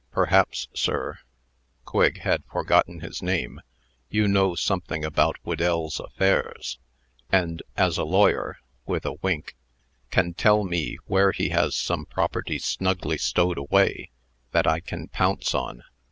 Perhaps, sir" (Quigg had forgotten his name), "you know something about Whedell's affairs, and, as a lawyer" (with a wink), "can tell me where he has some property snugly stowed away, that I can pounce on.